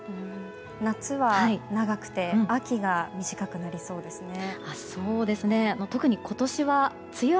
夏は長くて秋が短くなりそうですね。